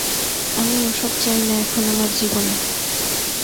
আমি ওসব চাই না এখন আমার জীবনে।